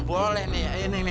luar enggak luar ya enggak